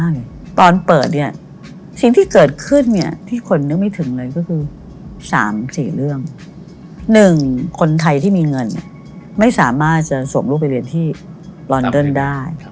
๑คนไทยที่มีเงินไม่สามารถส่งลูกไปเรียนที่ลอนเดิ้นได้